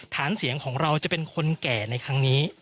ฐานเสียงของเราจะเป็นคนแก่ในครั้งนี้